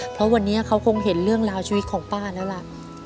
เพราะวันนี้เขาคงเห็นเรื่องราวชีวิตของป้าแล้วล่ะ